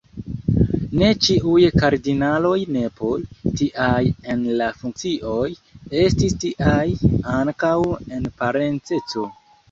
Ne ĉiuj kardinaloj nepoj, tiaj en la funkcioj, estis tiaj ankaŭ en parenceco.